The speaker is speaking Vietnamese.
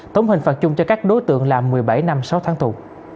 tổng hình phạt chung cho các đối tượng là một mươi bảy năm sáu tháng tù